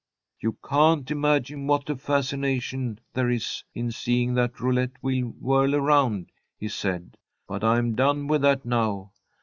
"You can't imagine what a fascination there is in seeing that roulette wheel whirl around," he said, "but I'm done with that now.